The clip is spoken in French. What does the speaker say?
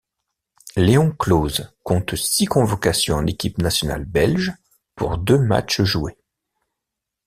Léon Close compte six convocations en équipe nationale belge, pour deux matches joués.